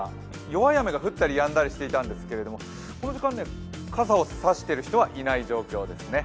弱い雨が降ったりやんだりしていたんですけれどもこの時間、傘を差している人はいない状況ですね。